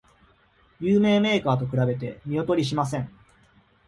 有名メーカーと比べて見劣りしません